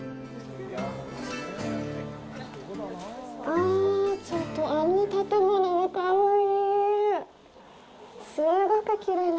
あぁ、ちょっとあの建物もかわいい！